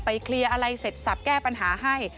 เคลียร์อะไรเสร็จสับแก้ปัญหาให้